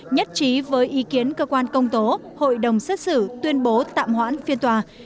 nhất trí với ý kiến cơ quan công tố hội đồng xét xử tuyên bố tạm hoãn phiên tòa